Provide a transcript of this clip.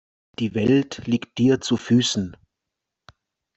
Die Welt liegt dir zu Füßen.